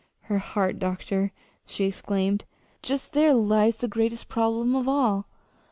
"Her heart, doctor!" she exclaimed. "Just there lies the greatest problem of all.